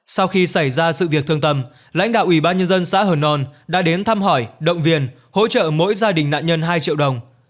sau khi xảy ra sự việc thương tâm lãnh đạo ủy ban nhân dân xã hờ nòn đã đến thăm hỏi động viên hỗ trợ mỗi gia đình nạn nhân hai triệu đồng